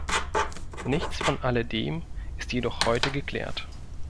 Nichts von alledem ist jedoch heute geklärt.